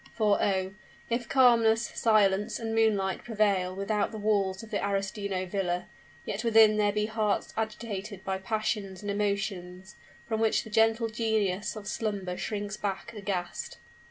For, oh! if calmness, silence, and moonlight prevail without the walls of the Arestino villa, yet within there be hearts agitated by passions and emotions, from which the gentle genius of slumber shrinks back aghast.